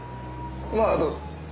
まあどうぞ。